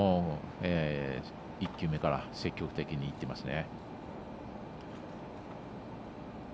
１球目から積極的にいっていますね。